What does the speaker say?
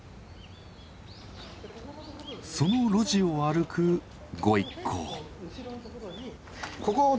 その路地を歩くご一行。